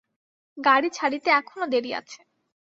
গাড়ি ছাড়িতে এখনো দেরি আছে।